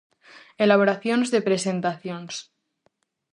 Elaboracións de presentacións.